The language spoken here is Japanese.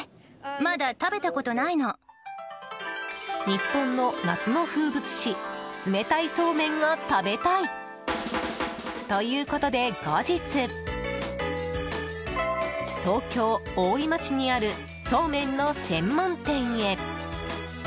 日本の夏の風物詩冷たいそうめんが食べたい！ということで後日東京・大井町にあるそうめんの専門店へ。